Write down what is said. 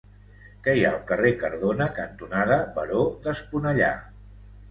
Què hi ha al carrer Cardona cantonada Baró d'Esponellà?